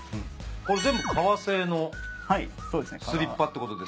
これ全部革製のスリッパってことですね。